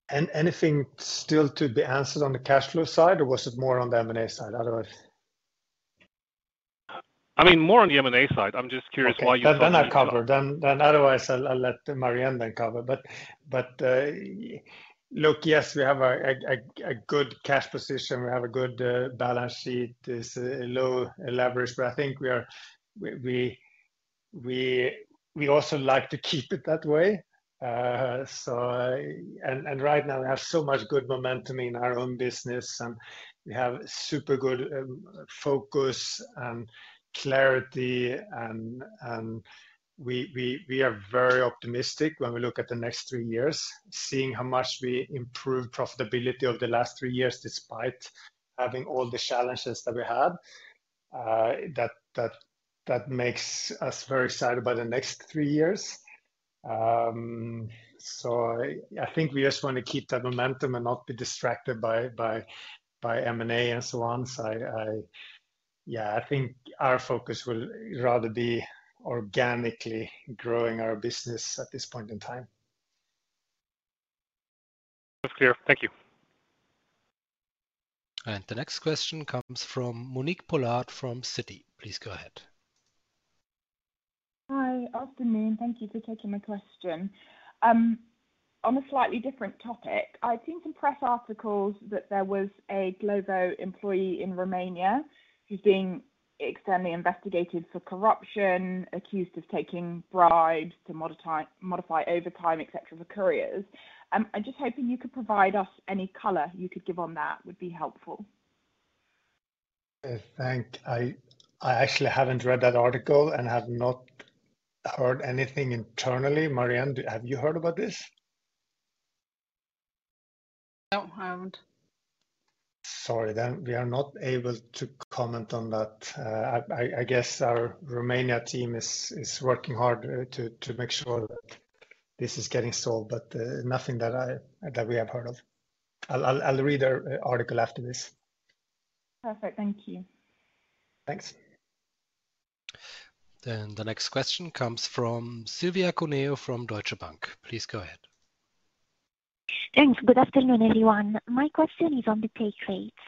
Anything still to be answered on the cash flow side, or was it more on the M&A side? Otherwise. I mean, more on the M&A side. I'm just curious why you thought. Then I'll cover. Otherwise, I'll let Marie-Anne then cover. But look, yes, we have a good cash position. We have a good balance sheet. It's low leverage. But I think we also like to keep it that way. Right now, we have so much good momentum in our own business. We have super good focus and clarity. We are very optimistic when we look at the next three years, seeing how much we improved profitability over the last three years despite having all the challenges that we had. That makes us very excited by the next three years. I think we just want to keep that momentum and not be distracted by M&A and so on. Yeah, I think our focus will rather be organically growing our business at this point in time. That's clear. Thank you. And the next question comes from Monique Pollard from Citi. Please go ahead. Hi, afternoon. Thank you for taking my question. On a slightly different topic, I'd seen some press articles that there was a Glovo employee in Romania who's being externally investigated for corruption, accused of taking bribes to modify overtime, etc., for couriers. I'm just hoping you could provide us any color you could give on that. That would be helpful. Thanks. I actually haven't read that article and have not heard anything internally. Marie-Anne, have you heard about this? I don't have. Sorry. Then we are not able to comment on that. I guess our Romania team is working hard to make sure that this is getting solved, but nothing that we have heard of. I'll read the article after this. Perfect. Thank you. Thanks. Then the next question comes from Silvia Cuneo from Deutsche Bank. Please go ahead. Thanks. Good afternoon, everyone. My question is on the take rates.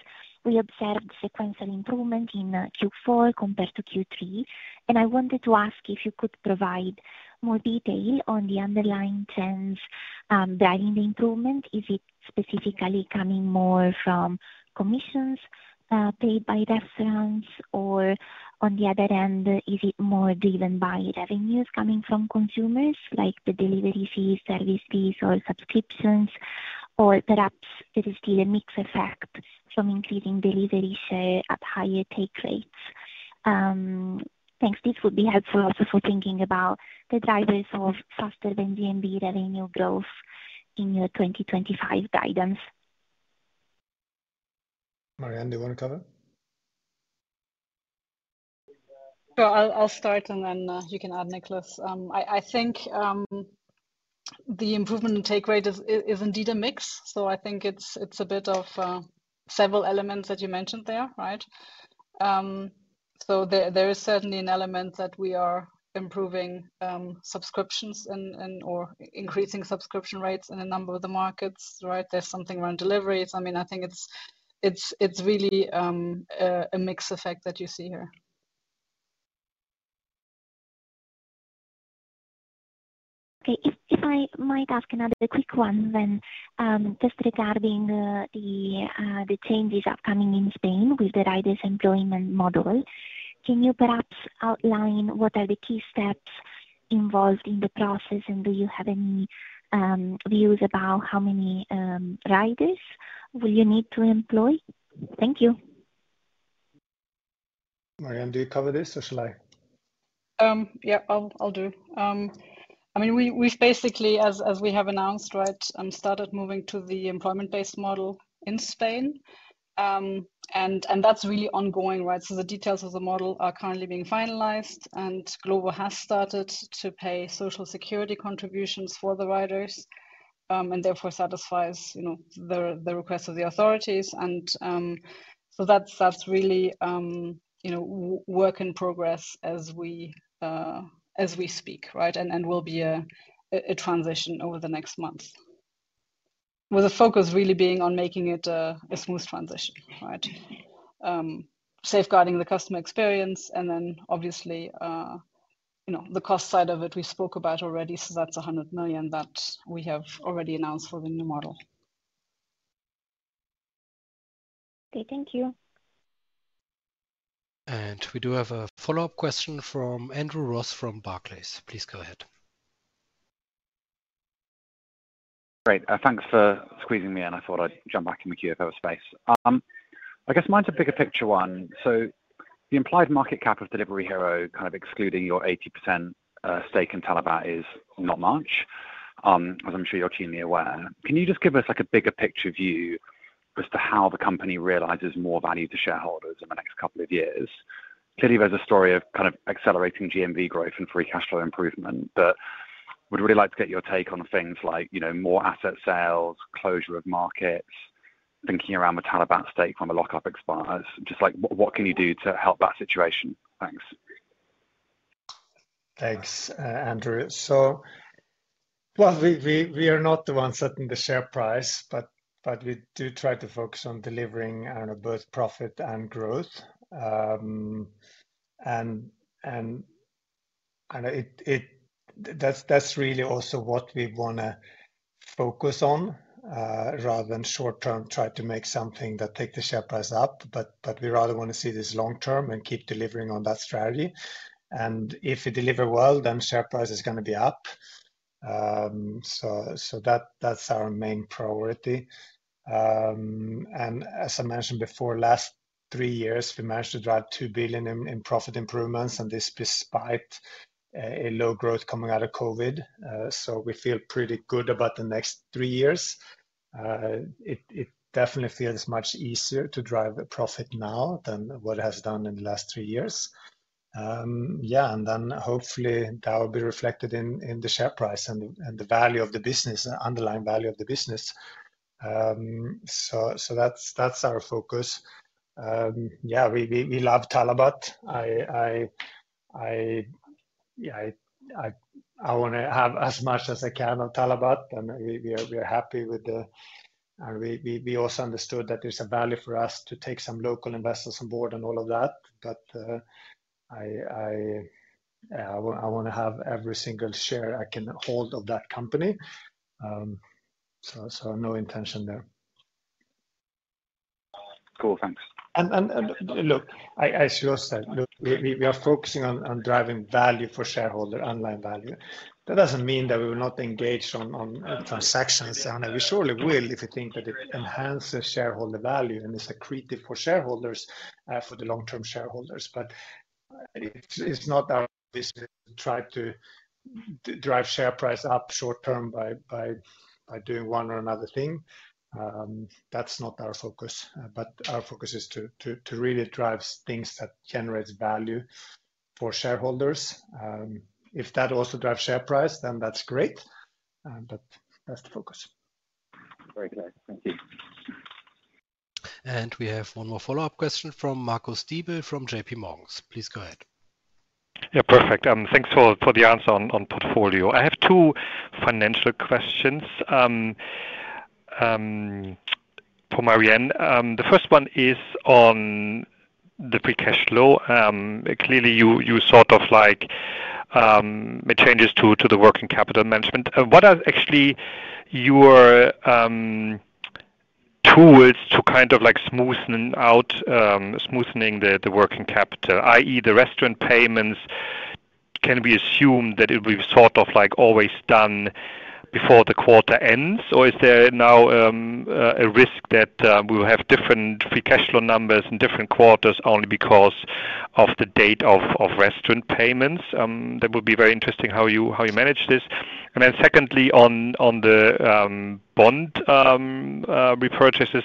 We observed sequential improvement in Q4 compared to Q3, and I wanted to ask if you could provide more detail on the underlying trends driving the improvement. Is it specifically coming more from commissions paid by restaurants? Or on the other end, is it more driven by revenues coming from consumers like the delivery fees, service fees, or subscriptions? Or perhaps there is still a mixed effect from increasing delivery share at higher take rates? Thanks. This would be helpful also for thinking about the drivers of faster than GMV revenue growth in your 2025 guidance. Marie-Anne, do you want to cover? So I'll start, and then you can add, Niklas. I think the improvement in take rate is indeed a mix. So I think it's a bit of several elements that you mentioned there, right? So there is certainly an element that we are improving subscriptions and/or increasing subscription rates in a number of the markets, right? There's something around delivery. I mean, I think it's really a mixed effect that you see here. Okay. If I might ask another quick one then just regarding the changes upcoming in Spain with the riders' employment model. Can you perhaps outline what are the key steps involved in the process, and do you have any views about how many riders will you need to employ? Thank you. Marie-Anne, do you cover this, or shall I? Yeah, I'll do. I mean, we've basically, as we have announced, right, started moving to the employment-based model in Spain. That's really ongoing, right? So the details of the model are currently being finalized. Glovo has started to pay social security contributions for the riders and therefore satisfies the request of the authorities. That's really work in progress as we speak, right? It will be a transition over the next month, with a focus really being on making it a smooth transition, right? Safeguarding the customer experience. Then, obviously, the cost side of it we spoke about already. That's 100 million that we have already announced for the new model. Okay. Thank you. And we do have a follow-up question from Andrew Ross from Barclays. Please go ahead. Great. Thanks for squeezing me in. I thought I'd jump back in the queue if I have space. I guess mine's a bigger picture one. So the implied market cap of Delivery Hero, kind of excluding your 80% stake in Talabat, is not much, as I'm sure your team is aware. Can you just give us a bigger picture view as to how the company realizes more value to shareholders in the next couple of years? Clearly, there's a story of kind of accelerating GMV growth and free cash flow improvement. But we'd really like to get your take on things like more asset sales, closure of markets, thinking around the Talabat stake when the lockup expires. Just what can you do to help that situation? Thanks. Thanks, Andrew. So, well, we are not the ones setting the share price, but we do try to focus on delivering both profit and growth. And that's really also what we want to focus on rather than short-term try to make something that takes the share price up. But we rather want to see this long term and keep delivering on that strategy. And if we deliver well, then share price is going to be up. So that's our main priority. And as I mentioned before, last three years, we managed to drive 2 billion in profit improvements. And this is despite a low growth coming out of COVID. So we feel pretty good about the next three years. It definitely feels much easier to drive profit now than what it has done in the last three years. Yeah. And then hopefully, that will be reflected in the share price and the value of the business, the underlying value of the business. So that's our focus. Yeah, we love Talabat. Yeah, I want to have as much as I can of Talabat. And we are happy with the, and we also understood that there's a value for us to take some local investors on board and all of that. But I want to have every single share I can hold of that company. So no intention there. Cool. Thanks. Look, as you said, look, we are focusing on driving value for shareholders, underlying value. That doesn't mean that we will not engage on transactions. We surely will if we think that it enhances shareholder value and is accretive for shareholders, for the long-term shareholders. But it's not our business to try to drive share price up short term by doing one or another thing. That's not our focus. Our focus is to really drive things that generate value for shareholders. If that also drives share price, then that's great. But that's the focus. Very clear. Thank you. We have one more follow-up question from Marcus Diebel from JPMorgan. Please go ahead. Yeah, perfect. Thanks for the answer on portfolio. I have two financial questions for Marie-Anne. The first one is on the free cash flow. Clearly, you sort of like changes to the working capital management. What are actually your tools to kind of smoothing the working capital, i.e., the restaurant payments? Can we assume that it will be sort of always done before the quarter ends? Or is there now a risk that we will have different free cash flow numbers in different quarters only because of the date of restaurant payments? That would be very interesting how you manage this. And then secondly, on the bond repurchases,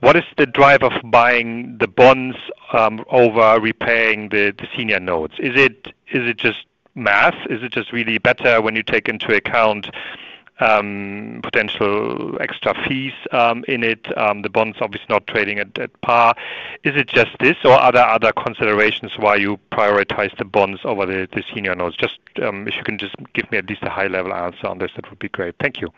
what is the driver of buying the bonds over repaying the senior notes? Is it just math? Is it just really better when you take into account potential extra fees in it? The bonds are obviously not trading at par. Is it just this or are there other considerations why you prioritize the bonds over the senior notes? Just if you can just give me at least a high-level answer on this, that would be great. Thank you.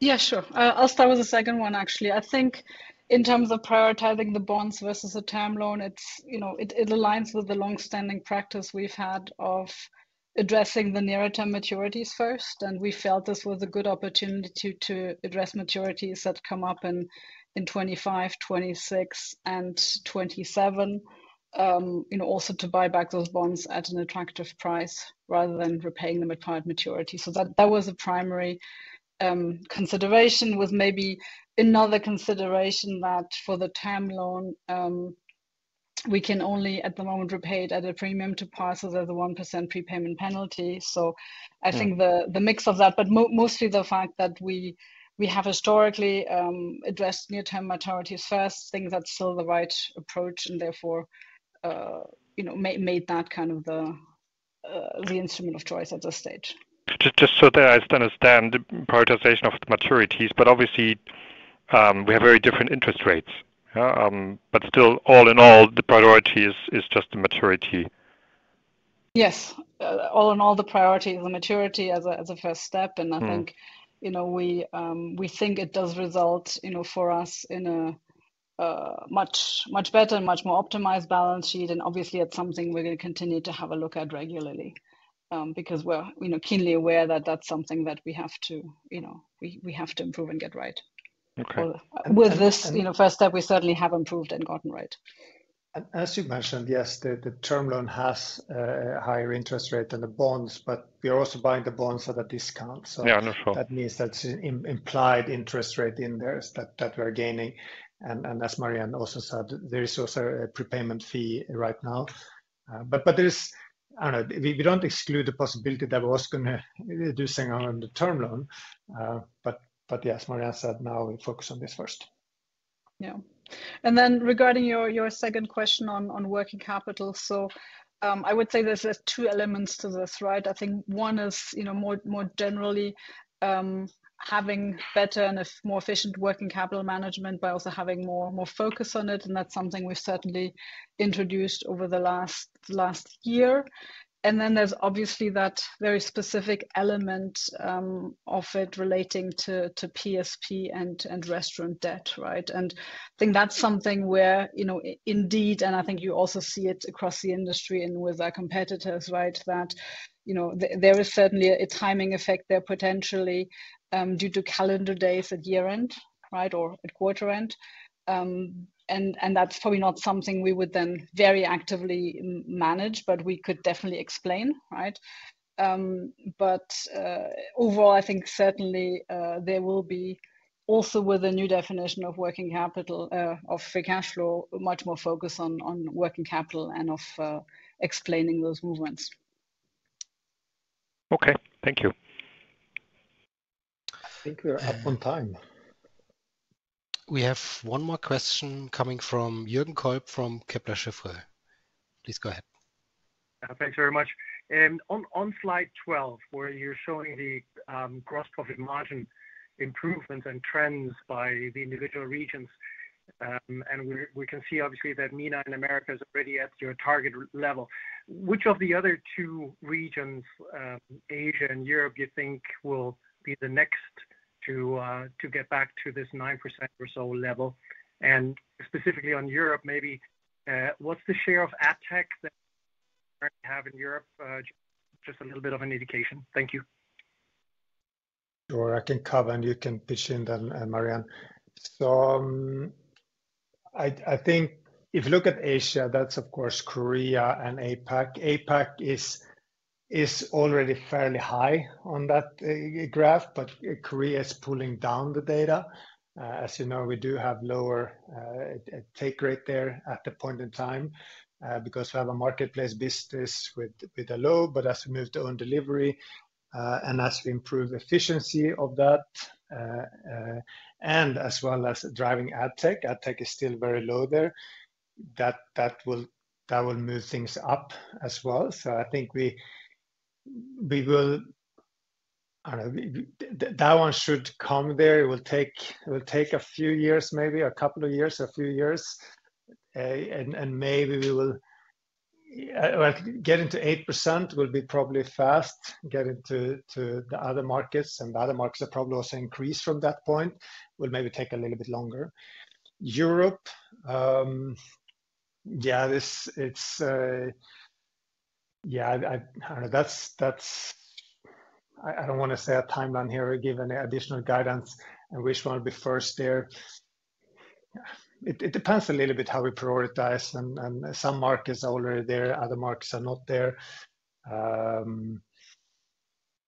Yeah, sure. I'll start with the second one, actually. I think in terms of prioritizing the bonds versus a term loan, it aligns with the long-standing practice we've had of addressing the nearer-term maturities first. We felt this was a good opportunity to address maturities that come up in 2025, 2026, and 2027, also to buy back those bonds at an attractive price rather than repaying them at current maturity. So that was a primary consideration with maybe another consideration that for the term loan, we can only at the moment repay it at a premium to par. So there's a 1% prepayment penalty. So I think the mix of that, but mostly the fact that we have historically addressed near-term maturities first, I think that's still the right approach and therefore made that kind of the instrument of choice at this stage. Just so that I understand the prioritization of the maturities, but obviously, we have very different interest rates. But still, all in all, the priority is just the maturity. Yes. All in all, the priority is the maturity as a first step. And I think we think it does result for us in a much better and much more optimized balance sheet. And obviously, it's something we're going to continue to have a look at regularly because we're keenly aware that that's something that we have to improve and get right. With this first step, we certainly have improved and gotten right. As you mentioned, yes, the term loan has a higher interest rate than the bonds, but we are also buying the bonds at a discount. Yeah, I'm not sure. So that means that's an implied interest rate in there that we're gaining. And as Marie-Anne also said, there is also a prepayment fee right now. But I don't know. We don't exclude the possibility that we're also going to do something on the term loan. But yes, Marie-Anne said now we focus on this first. Yeah. And then regarding your second question on working capital, so I would say there's two elements to this, right? I think one is more generally having better and more efficient working capital management by also having more focus on it. And that's something we've certainly introduced over the last year. And then there's obviously that very specific element of it relating to PSP and restaurant debt, right? And I think that's something where indeed, and I think you also see it across the industry and with our competitors, right, that there is certainly a timing effect there potentially due to calendar days at year-end, right, or at quarter-end. And that's probably not something we would then very actively manage, but we could definitely explain, right? But overall, I think certainly there will be also with the new definition of working capital, of free cash flow, much more focus on working capital and of explaining those movements. Okay. Thank you. I think we're up on time. We have one more question coming from Jürgen Kolb from Kepler Cheuvreux. Please go ahead. Thanks very much. On slide 12, where you're showing the gross profit margin improvements and trends by the individual regions, and we can see obviously that MENA and Americas is already at your target level. Which of the other two regions, Asia and Europe, do you think will be the next to get back to this 9% or so level? And specifically on Europe, maybe what's the share of AdTech that you have in Europe? Just a little bit of an indication. Thank you. Sure. I can cover, and you can pitch in then, Marie-Anne. So I think if you look at Asia, that's of course Korea and APAC. APAC is already fairly high on that graph, but Korea is pulling down the data. As you know, we do have lower take rate there at the point in time because we have a marketplace business with a low, but as we move to own delivery and as we improve efficiency of that, and as well as driving AdTech, AdTech is still very low there, that will move things up as well. So I think we will that one should come there. It will take a few years, maybe a couple of years, a few years. And maybe we will get into 8% will be probably fast. Getting to the other markets and the other markets will probably also increase from that point will maybe take a little bit longer. Europe, yeah, it's yeah, I don't know. I don't want to say a timeline here or give any additional guidance on which one will be first there. It depends a little bit how we prioritize. And some markets are already there. Other markets are not there.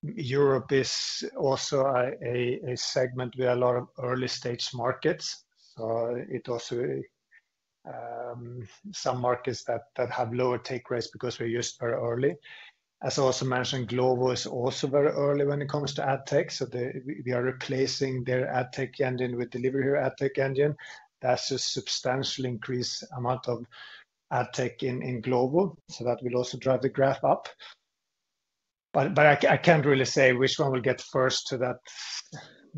Europe is also a segment with a lot of early-stage markets. So it also some markets that have lower take rates because we're used very early. As I also mentioned, Glovo is also very early when it comes to AdTech. So we are replacing their AdTech engine with Delivery Hero AdTech engine. That's a substantial increased amount of AdTech in Glovo. So that will also drive the graph up. But I can't really say which one will get first to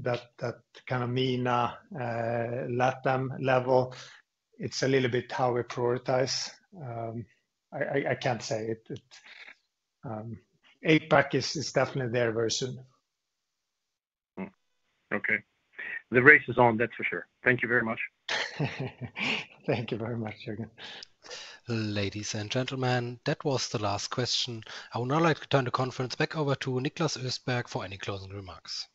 that kind of MENA LATAM level. It's a little bit how we prioritize. I can't say. APAC is definitely their version. Okay. The race is on, that's for sure. Thank you very much. Thank you very much, Jürgen. Ladies and gentlemen, that was the last question. I would now like to turn the conference back over to Niklas Östberg for any closing remarks.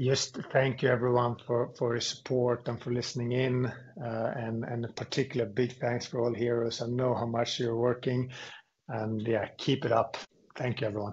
Just thank you, everyone, for your support and for listening in. And a particular big thanks for all heroes. I know how much you're working. And yeah, keep it up. Thank you, everyone.